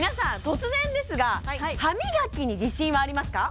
突然ですが歯磨きに自信はありますか？